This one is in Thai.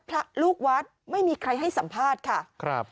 พระลูกวัดไม่มีใครให้สัมภาษณ์ค่ะครับ